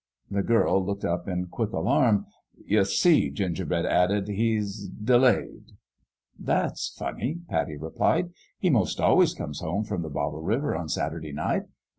The girl looked up in quick alarm. "You see," Gingerbread added, "he's de layed." " That's funny," Pattie replied ;" he most al ways comes home from the Bottle River on Saturday night.